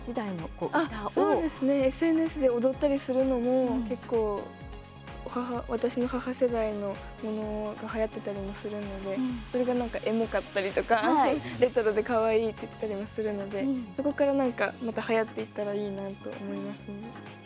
そうですねＳＮＳで踊ったりするのも結構、私の母世代のものがはやってたりもするのでそれがなんかエモかったりとかレトロでかわいいって言ってたりもするのでそこからなんか、またはやっていったらいいなと思いますね。